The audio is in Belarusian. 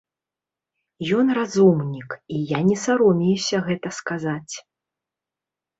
Ён разумнік, я не саромеюся гэта сказаць.